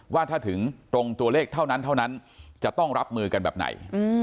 ว่าถ้าถึงตรงตัวเลขเท่านั้นเท่านั้นจะต้องรับมือกันแบบไหน